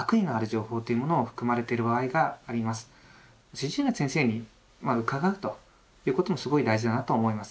主治医の先生に伺うということもすごい大事だなと思います。